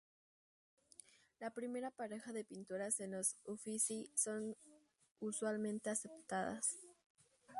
La primera pareja de pinturas en los Uffizi son usualmente aceptadas.